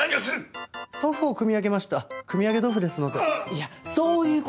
いやそういう事。